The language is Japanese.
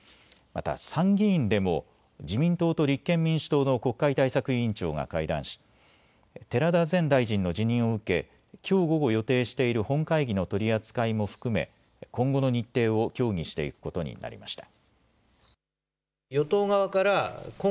また参議院でも自民党と立憲民主党の国会対策委員長が会談し寺田前大臣の辞任を受けきょう午後、予定している本会議の取り扱いも含め今後の日程を協議していくことになりました。